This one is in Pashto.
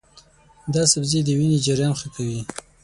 دا سبزی د وینې جریان ښه کوي.